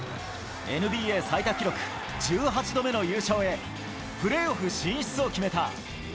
ＮＢＡ最多記録、１８度目の優勝へ、プレーオフ進出を決めた。